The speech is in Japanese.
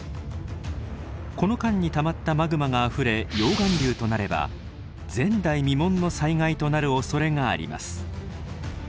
この間にたまったマグマがあふれ溶岩流となれば前代未聞の災害となるおそれがあります。